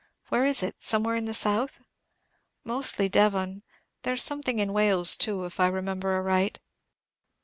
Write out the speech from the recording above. "Where is it, somewhere in the south?" "Mostly, Devon. There's something in Wales too, if I remember aright."